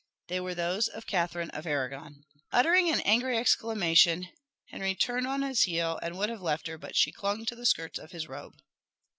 They were those of Catherine of Arragon. Uttering an angry exclamation, Henry turned on his heel and would have left her, but she clung to the skirts of his robe.